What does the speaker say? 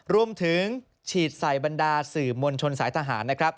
รวมถึงฉีดสายบัญดาสื่อมวลชนสายทหาร